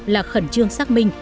là khẩn trương xác minh